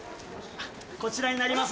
こちらになります。